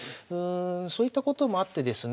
そういったこともあってですね。